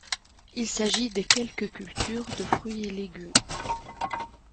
Il s'agit des quelques cultures de fruits et légumes.